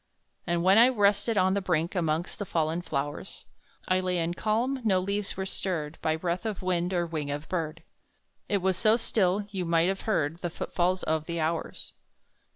And when I rested on the brink, Amongst the fallen flowers, I lay in calm; no leaves were stirred By breath of wind, or wing of bird; It was so still, you might have heard The footfalls of the hours.